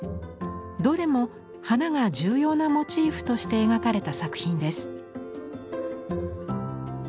どれも花が重要なモチーフとして描かれた作品です。